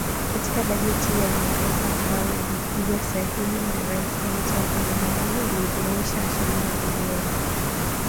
Katika bajeti ya nyongeza ambayo ilipigwa sahihi na Rais Kenyatta Aprili nne, aliidhinisha shilingi bilioni thelathini na nne.